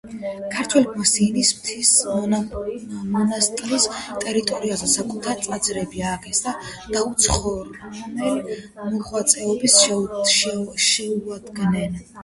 ქართველებმა სინის მთის მონასტრის ტერიტორიაზე საკუთარი ტაძრები ააგეს და დაუცხრომელ მოღვაწეობას შეუდგნენ.